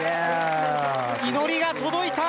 祈りが届いた！